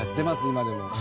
今でも。